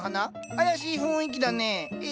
妖しい雰囲気だねえ。